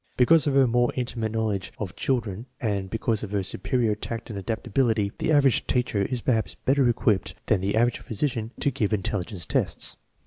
Because of her more intimate knowledge of children and because of her superior tact and adaptability, the average teacher is perhaps better equipped than the average physician to give intelligence tests.